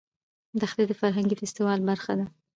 دښتې د فرهنګي فستیوالونو برخه ده.